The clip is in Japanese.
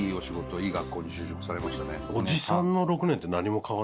いい学校に就職されましたね。